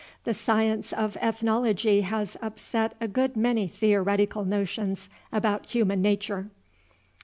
The science of Ethnology has upset a good many theoretical notions about human nature."